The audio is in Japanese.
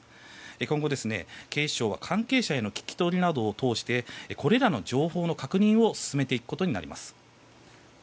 今後、警視庁は関係者への聞き取りなどを通してこれらの情報の確認を進めていくことになります。